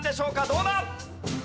どうだ？